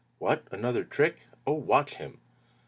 "What! Another trick! Oh, watch him!"